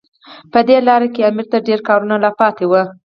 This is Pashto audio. په دې لاره کې امیر ته ډېر کارونه لا پاتې وو.